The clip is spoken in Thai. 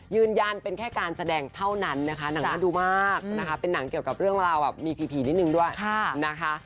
ยืนยันเป็นแค่การแสดงเท่านั้นนะคะหนังน่าดูมากนะคะเป็นหนังเกี่ยวกับเรื่องราวแบบมีผีนิดนึงด้วยนะคะ